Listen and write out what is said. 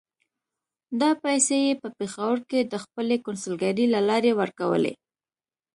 دا پیسې یې په پېښور کې د خپلې کونسلګرۍ له لارې ورکولې.